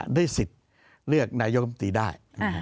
ได้สิทธิ์เลือกนายกรรมตรีได้